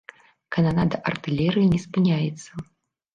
Кананада артылерыі не спыняецца.